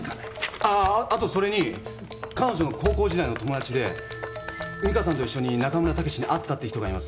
ああっあとそれに彼女の高校時代の友達で美香さんと一緒に中村武に会ったって人がいます。